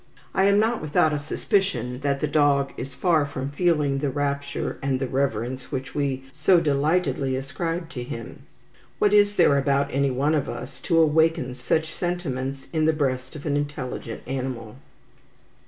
I am not without a suspicion that the dog is far from feeling the rapture and the reverence which we so delightedly ascribe to him. What is there about any one of us to awaken such sentiments in the breast of an intelligent animal?